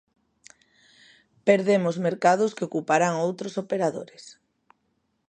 Perdemos mercados que ocuparán outros operadores.